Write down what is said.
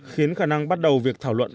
khiến khả năng bắt đầu việc thảo luận